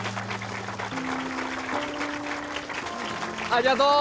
ありがとう！